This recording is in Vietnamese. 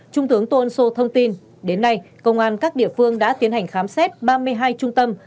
trung tướng tôn sô thông tin đến nay công an các địa phương đã tiến hành khám xét ba mươi hai trung tâm